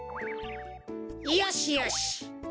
よしよし。